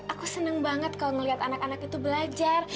aku senang banget kalau ngeliat anak anak itu belajar